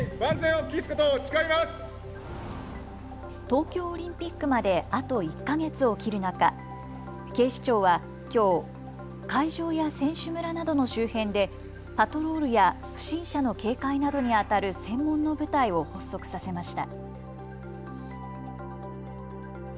東京オリンピックまであと１か月を切る中、警視庁はきょう、会場や選手村などの周辺でパトロールや不審者の警戒などにあたる専門の部隊を発足させました。